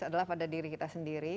adalah pada diri kita sendiri